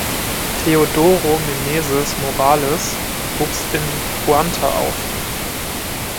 Teodoro Meneses Morales wuchs in Huanta auf.